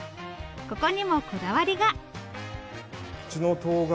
ここにもこだわりが。